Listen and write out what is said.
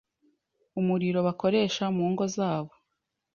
umuriro bakoresha mu ngo zabo